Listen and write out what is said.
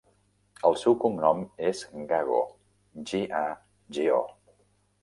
El seu cognom és Gago: ge, a, ge, o.